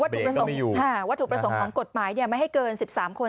เบรกก็ไม่อยู่ค่ะว่าถูกประสงค์ของกฎหมายเนี่ยไม่ให้เกิน๑๓คน